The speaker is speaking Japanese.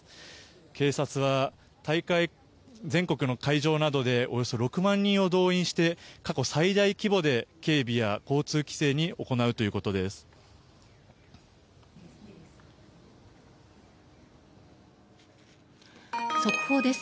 警察は全国の会場などでおよそ６万人を動員して過去最大規模で警備や交通規制を行うということです。